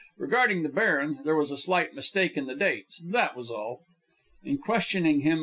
Regarding the baron, there was a slight mistake in the dates, that was all. In questioning him.